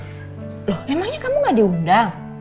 loh emangnya kamu gak diundang